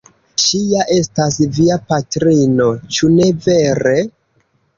Ŝi ja estas via patrino, ĉu ne vere?